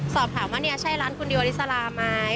สอบถามว่าเนี่ยใช่ร้านคุณดิวอลิสลาไหม